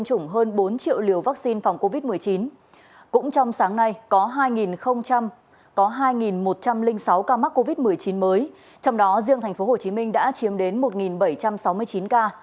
cũng trong sáng nay có hai sáu ca mắc covid một mươi chín mới trong đó riêng tp hcm đã chiếm đến một bảy trăm sáu mươi chín ca